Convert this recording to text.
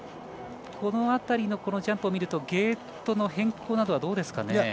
この辺りのジャンプを見るとゲートの変更などはどうですかね。